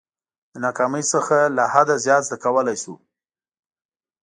د ناکامۍ څخه له حده زیات زده کولای شو.